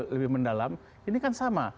lebih mendalam ini kan sama